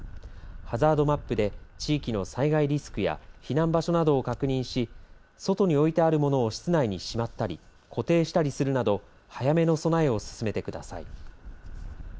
ハザードマップで地域の災害リスクや避難場所などを確認し外に置いてあるものを室内にしまったり固定したりするなど早めの備えを進めてください。